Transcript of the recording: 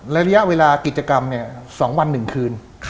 ระยะเวลากิจกรรม๒วัน๑คืน